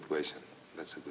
itu pertanyaan yang bagus